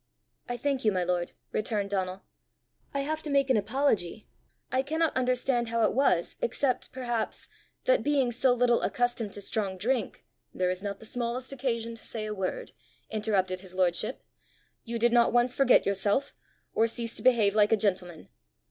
"I thank you, my lord," returned Donal. "I have to make an apology. I cannot understand how it was, except, perhaps, that, being so little accustomed to strong drink, " "There is not the smallest occasion to say a word," interrupted his lordship. "You did not once forget yourself, or cease to behave like a gentleman!"